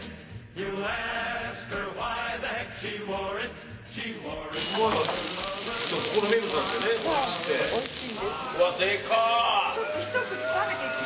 うわっでかい！